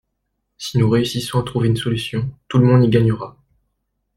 Si nous réussissons à trouver une solution, tout le monde y gagnera.